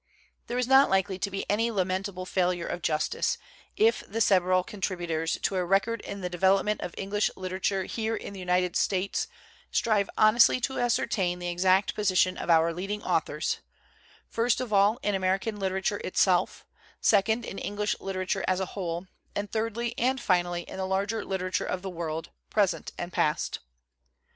There is not likely to be any lamentable failure of justice, if the several contributors to a record of the development of English literature here in the United States strive honestly to as certain the exact position of our leading authors, first of all in American literature itself, second in English literature as a whole, and thirdly and finally in the larger literature of the world, present and past.